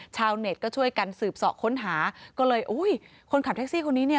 ชาวเน็ตก็ช่วยกันสืบเสาะค้นหาก็เลยอุ้ยคนขับแท็กซี่คนนี้เนี่ย